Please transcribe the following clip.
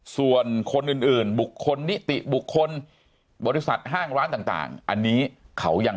ส่วนคนอื่นบุคคลนิติบุคคลบริษัทห้างร้านต่างอันนี้เขายัง